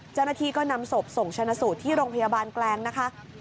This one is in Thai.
เจ้าหน้าที่ก็นำศพส่งชนะสูตรที่โรงพยาบาลแกลงนะคะ